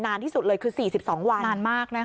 นานที่สุดเลยคือ๔๒วันนานมากนะคะ